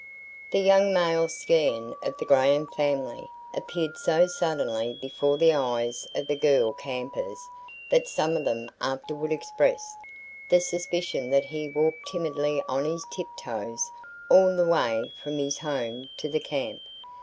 The young male scion of the Graham family appeared so suddenly before the eyes of the girl campers that some of them afterward expressed the suspicion that he walked timidly on his tiptoes all the way from his home to the camp.